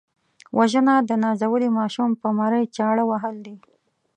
وژنه د نازولي ماشوم پر مرۍ چاړه وهل دي